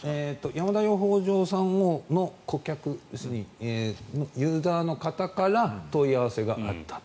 山田養蜂場さんの顧客要するにユーザーの方から問い合わせがあったと。